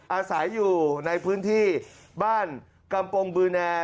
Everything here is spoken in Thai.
อาศัยอยู่ในพื้นที่บ้านกำปงบือแน